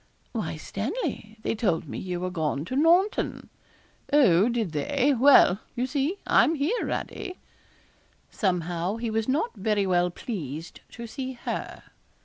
'Why, Stanley, they told me you were gone to Naunton.' 'Oh! did they? Well, you see, I'm here, Radie.' Somehow he was not very well pleased to see her.